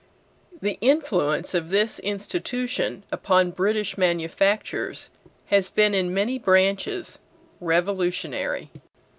The influence of this institution upon British manufactures has been in many branches revolutionary.